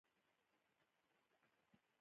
داسې سیستم چې پایدار وي.